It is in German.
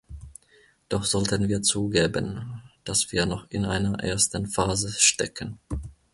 Doch sollten wir zugeben, dass wir noch in einer ersten Phase stecken.